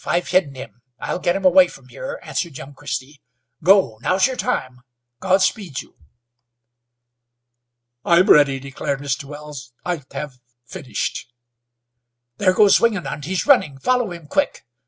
I've hidden him. I'll get him away from here," answered young Christy. "Go! Now's your time. Godspeed you!" "I'm ready," declared Mr. Wells. "I have finished!" "There goes Wingenund! He's running. Follow him, quick!